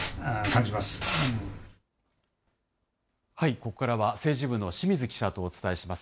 ここからは、政治部の清水記者とお伝えします。